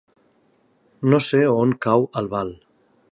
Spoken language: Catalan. No sé on cau Albal.